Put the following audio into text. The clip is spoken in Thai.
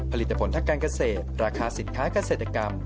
ผลิตผลทางการเกษตรราคาสินค้าเกษตรกรรม